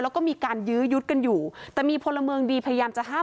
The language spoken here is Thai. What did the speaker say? แล้วก็มีการยื้อยุดกันอยู่แต่มีพลเมืองดีพยายามจะห้าม